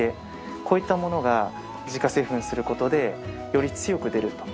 こういったものが自家製粉する事でより強く出ると。